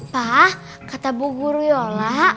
pak kata bu guru yola